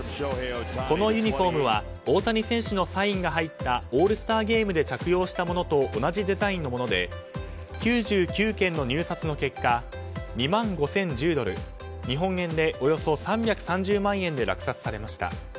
このユニホームは大谷選手のサインが入ったオールスターゲームで着用したものと同じデザインのもので９９件の入札の結果２万５０１０ドル日本円でおよそ３３０万円で落札されました。